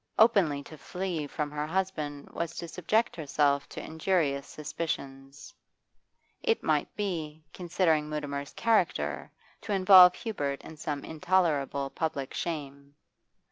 Openly to flee from her husband was to subject herself to injurious suspicions it might be, considering Mutimer's character, to involve Hubert in some intolerable public shame.